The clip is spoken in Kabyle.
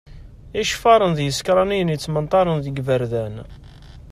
Iceffaren d yisekranen yettmenṭaren deg yiberdan.